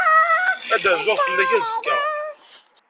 Ad d-rzuɣ fell-ak azekka.